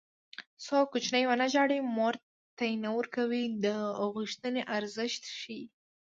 څو کوچنی ونه ژاړي مور تی نه ورکوي د غوښتنې ارزښت ښيي